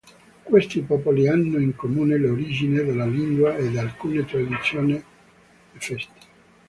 Questi popoli hanno in comune l'origine della lingua ed alcune tradizioni e feste.